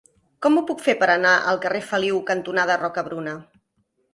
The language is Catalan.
Com ho puc fer per anar al carrer Feliu cantonada Rocabruna?